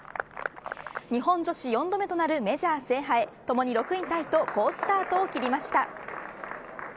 日本女子４度目となるメジャー制覇へともに６位タイと好スタートを切りました。